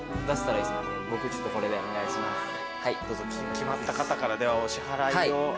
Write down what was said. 決まった方からではお支払いを。